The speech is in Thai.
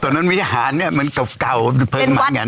ตอนนั้นวิหารเนี่ยมันเก่าเพิ่งหมางั้น